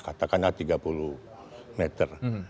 katakanlah tiga puluh meter